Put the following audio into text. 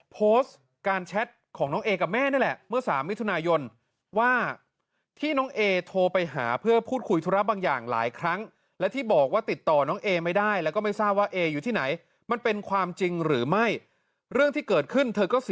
โพสต์การแชทของน้องเอกับแม่นั่นแหละ